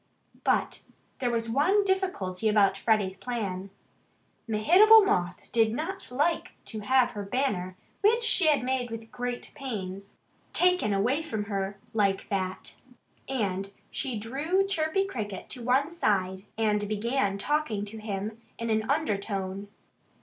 But there was one difficulty about Freddie's plan. Mehitable Moth did not like to have her banner, which she had made with great pains, taken away from her like that. And she drew Chirpy Cricket to one side and began talking to him in an undertone.